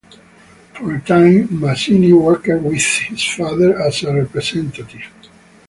For a time, Masini worked with his father as a representative.